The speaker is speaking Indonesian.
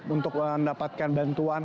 untuk mendapatkan bantuan